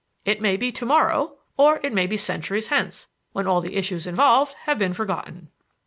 It may be to morrow or it may be centuries hence, when all the issues involved have been forgotten."